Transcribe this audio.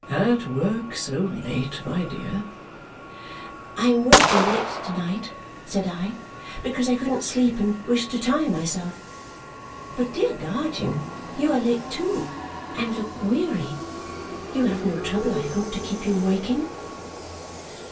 "At work so late, my dear?" "I am working late to night," said I, "because I couldn't sleep and wished to tire myself. But, dear guardian, you are late too, and look weary. You have no trouble, I hope, to keep you waking?"